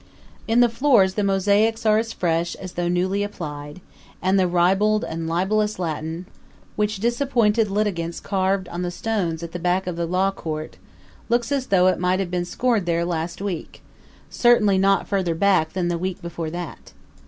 In the floors the mosaics are as fresh as though newly applied; and the ribald and libelous Latin, which disappointed litigants carved on the stones at the back of the law court, looks as though it might have been scored there last week certainly not further back than the week before that.